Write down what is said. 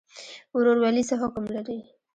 ورورولي څه حکم لري؟